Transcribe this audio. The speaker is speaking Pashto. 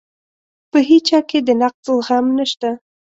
په هیچا کې د نقد زغم نشته.